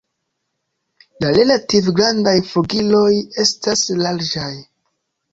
La relative grandaj flugiloj estas larĝaj.